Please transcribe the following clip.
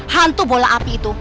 hantu bola api itu